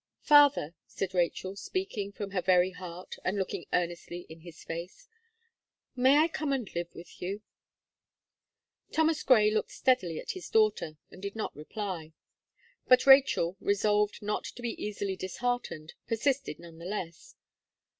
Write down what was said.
"Father," said Rachel, speaking from her very heart, and looking earnestly in his face, "may I come and live with you?" Thomas Gray looked steadily at his daughter, and did not reply. But Rachel, resolved not to be easily disheartened, persisted none the less.